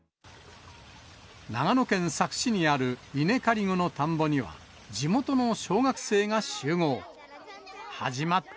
長野県佐久市にある稲刈り用の田んぼには、地元の小学生が集合。